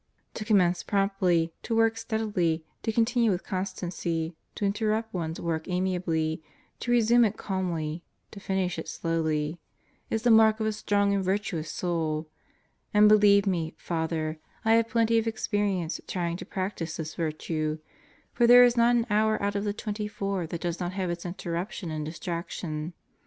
"To commence promptly, to work steadily, to continue with constancy, to interrupt one's work amiably, to resume it calmly, to finish it slowly 1 is the mark of a strong and virtuous soul." And believe me, Father, I have plenty of experience trying to practice this virtue; for there is not an hour out of the 24 that does not have its interruption and distraction.